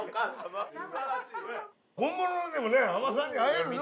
本物のでもね海女さんに会えるのが。